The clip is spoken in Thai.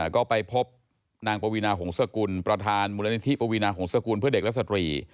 ก็ไปพบนางปวีนาหงษกุลประธานมูลนิธิปวีนาหงษกุลเพื่อเด็กและสตรี